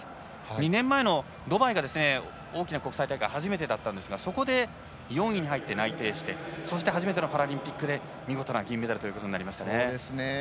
２年前のドバイが大きな国際大会初めてだったんですがそこで４位に入って内定して初めてのパラリンピックで見事な銀メダルとなりましたね。